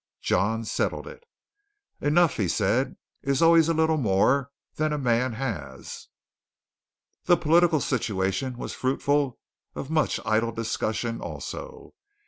John settled it. "Enough," said he, "is always a little more than a man has." The political situation was fruitful of much idle discussion also.